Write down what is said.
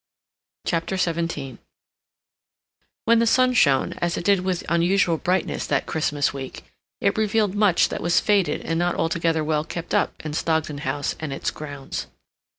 CHAPTER XVII When the sun shone, as it did with unusual brightness that Christmas week, it revealed much that was faded and not altogether well kept up in Stogdon House and its grounds.